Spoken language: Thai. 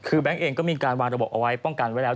คือแบงค์เองก็มีการวางระบบเอาไว้ป้องกันไว้แล้ว